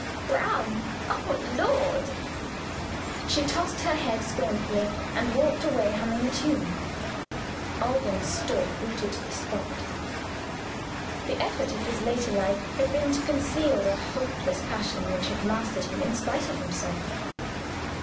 'Brown'? Oh, Lord!" She tossed her head scornfully, and walked away, humming a tune. Alban stood rooted to the spot. The effort of his later life had been to conceal the hopeless passion which had mastered him in spite of himself.